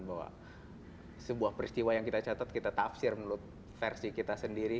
bahwa sebuah peristiwa yang kita catat kita tafsir menurut versi kita sendiri